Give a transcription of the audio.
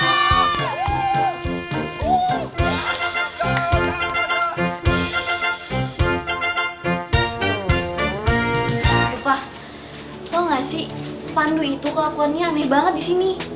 ipah tau gak sih pandu itu kelakuannya aneh banget disini